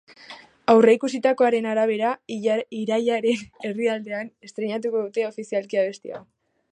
Aurreikusitakoaren arabera, irailaren erdialdean estreinatuko dute ofizialki abesti hau.